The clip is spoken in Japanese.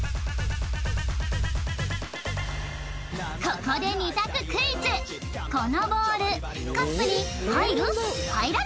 ここで２択クイズこのボールカップに入る？